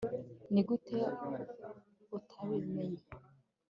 Nigute utabimenye